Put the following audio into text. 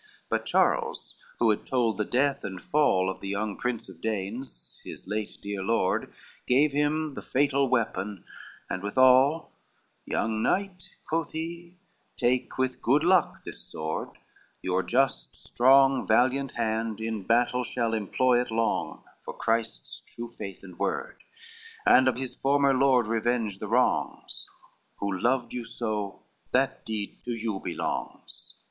LXXXIII But Charles, who had told the death and fall Of the young prince of Danes, his late dear lord, Gave him the fatal weapon, and withal, "Young knight," quoth he, "take with good luck this sword, Your just, strong, valiant hand in battle shall Employ it long, for Christ's true faith and word, And of his former lord revenge the wrongs, Who loved you so, that deed to you belongs."